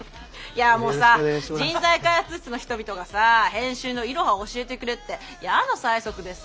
人材開発室の人々がさ編集のイロハを教えてくれって矢の催促でさ。